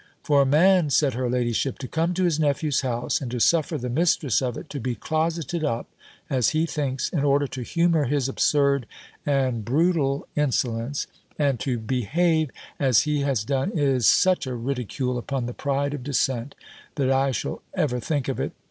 "For a man," said her ladyship, "to come to his nephew's house, and to suffer the mistress of it to be closetted up (as he thinks), in order to humour his absurd and brutal insolence, and to behave as he has done, is such a ridicule upon the pride of descent, that I shall ever think of it.